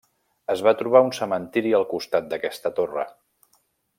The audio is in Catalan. Es va trobar un cementiri al costat d'aquesta torre.